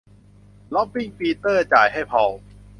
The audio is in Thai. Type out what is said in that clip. ร็อบบิ้ง ปีเตอร์ จ่ายให้พอล